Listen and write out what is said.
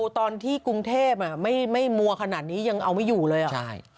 ที่กรุงเทพฯไม่หัวขนาดนี้ยังเอาไม่อยู่เลย